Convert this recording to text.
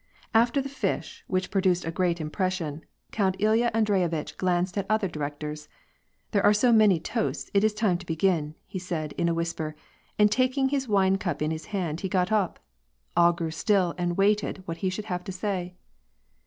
After the fish, which produced a great impression. Count Ilya Andreyiteh glanced at the other directors. " There are so many toasts, it is time to begin," he said, in a whisper, and taking his wine cup in his hand, he got up. All grew still and waited what he should have to say.